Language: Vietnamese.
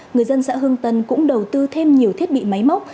người dân xã hương tân cũng đầu tư thêm nhiều thiết bị máy móc